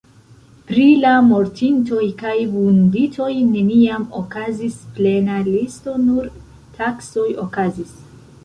Pri la mortintoj kaj vunditoj neniam okazis plena listo nur taksoj okazis.